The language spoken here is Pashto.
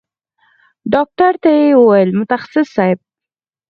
ډاکتر ته يې وويل متخصص صايب.